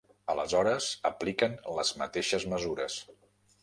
Aleshores apliquen les mateixes mesures.